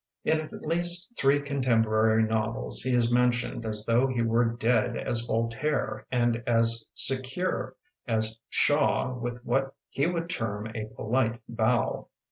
In at least three contemporary novels he is mentioned as though he were dead as Voltaire and as secure as Shaw with what he would term "a polite bow".